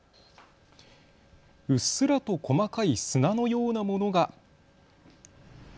うっすらと細かい砂のようなものが。